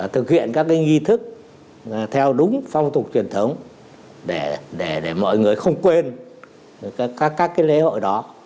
thực hiện các nghi thức theo đúng phong tục truyền thống để mọi người không quên các lễ hội đó